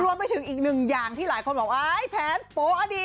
รวมไปถึงอีกหนึ่งอย่างที่หลายคนบอกไอ้แพทน์โป๊ะอ่ะดิ